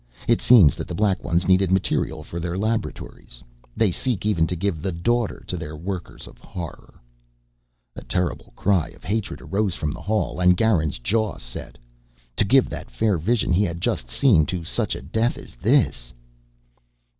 It seems that the Black Ones needed material for their laboratories. They seek even to give the Daughter to their workers of horror!" A terrible cry of hatred arose from the hall, and Garin's jaw set. To give that fair vision he had just seen to such a death as this